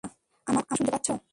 বাবা, আমার কথা শুনতে পাচ্ছো?